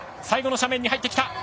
最後の斜面に入ってきた。